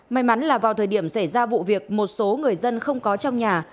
may mắn là vào thời điểm xảy ra vụ việc một số người dân không có trong nhà